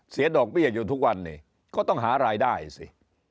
ดอกเบี้ยอยู่ทุกวันนี้ก็ต้องหารายได้สิ